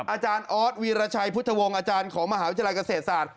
อาจารย์ออสวีรชัยพุทธวงศ์อาจารย์ของมหาวิทยาลัยเกษตรศาสตร์